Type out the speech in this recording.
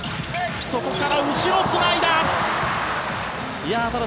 そこから後ろつないだ！